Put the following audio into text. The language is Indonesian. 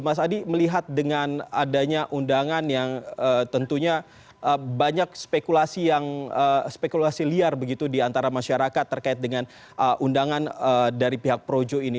mas adi melihat dengan adanya undangan yang tentunya banyak spekulasi liar begitu di antara masyarakat terkait dengan undangan dari pihak projo ini